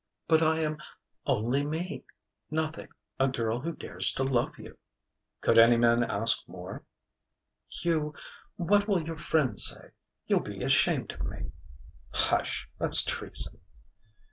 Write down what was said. "But I am only me: nothing: a girl who dares to love you." "Could any man ask more?" "You.... What will your friends say?... You'll be ashamed of me." "Hush! That's treason."